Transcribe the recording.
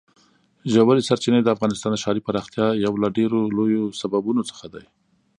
ژورې سرچینې د افغانستان د ښاري پراختیا یو له ډېرو لویو سببونو څخه ده.